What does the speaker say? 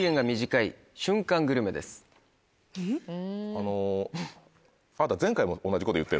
あの。